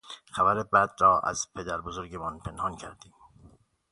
خبر بد را از پدربزرگمان پنهان کردیم.